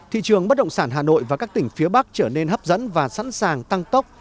thị trường bất động sản hà nội và các tỉnh phía bắc trở nên hấp dẫn và sẵn sàng tăng tốc